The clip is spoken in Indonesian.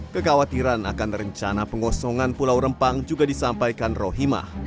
kekhawatiran akan rencana pengosongan pulau rempang juga disampaikan rohimah